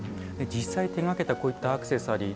実際、手がけたこういったアクセサリー